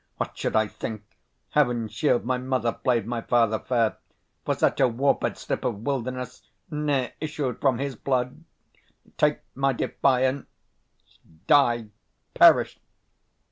What should I think? Heaven shield my mother play'd my father fair! For such a warped slip of wilderness Ne'er issued from his blood. Take my defiance! 140 Die, perish!